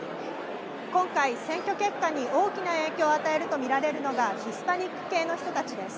今回、選挙結果に大きな影響を与えると見られるのがヒスパニック系の人たちです。